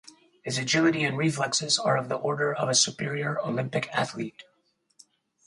His agility and reflexes are of the order of a superior Olympic athlete.